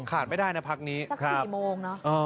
ขาดไม่ได้นะพักนี้ครับโอ้โฮสักสี่โมงเนอะ